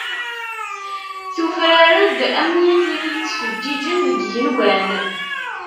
Tufrar-d am yitri yettfeǧǧiǧen deg yigenwan.